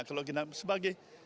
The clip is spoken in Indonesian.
kalau kita sebagai